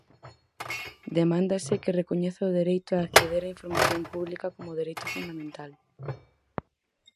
Demándase que recoñeza o dereito a acceder á información pública como dereito fundamental.